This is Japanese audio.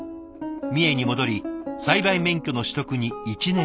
三重に戻り栽培免許の取得に１年がかり。